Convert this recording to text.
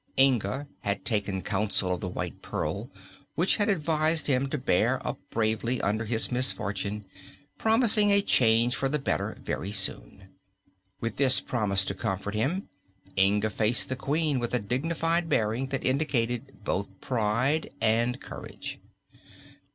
Inga had taken counsel of the White Pearl, which had advised him to bear up bravely under his misfortune, promising a change for the better very soon. With this promise to comfort him, Inga faced the Queen with a dignified bearing that indicated both pride and courage.